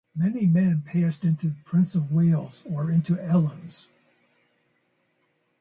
Many men passed into the Prince of Wales or into Ellen’s.